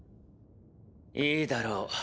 いいだろう。